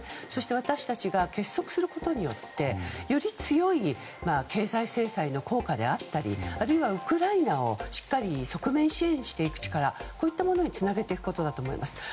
そして私たちが結束することによってより強い経済制裁の効果だったりあるいはウクライナをしっかり側面支援していく力につなげていくことだと思います。